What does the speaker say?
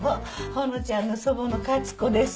ほのちゃんの祖母の勝子です。